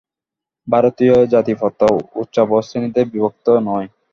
ভারতীয় জাতিপ্রথা উচ্চাবচ শ্রেণীতে বিভক্ত নয়।